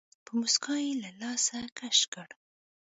په موسکا يې له لاسه کش کړ.